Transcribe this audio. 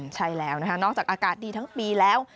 ใช่แล้วนะคะนอกจากอากาศดีทั้งปีแล้ว